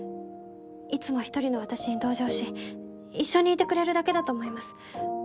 いつも１人の私に同情し一緒にいてくれるだけだと思います。